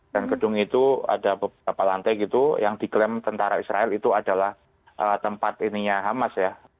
dan gedung itu ada beberapa lantai gitu yang diklaim tentara israel itu adalah tempat ini hamas ya